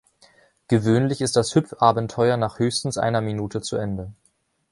Gewöhnlich ist das Hüpf-Abenteuer nach höchstens einer Minute zu Ende.